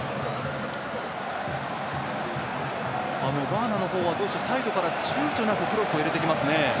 ガーナの方はサイドからちゅうちょなくクロスを入れてきますね。